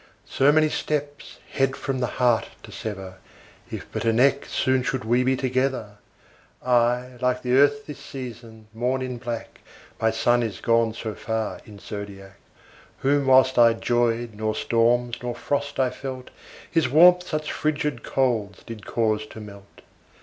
So many steps, head from the heart to sever, If but a neck, soon should we be together. I, like the Earth this season, mourn in black, My Sun is gone so far in's zodiac, Whom whilst I 'joyed, nor storms, nor frost I felt, His warmth such fridged colds did cause to melt.